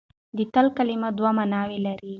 د تل کلمه دوه ماناوې لري.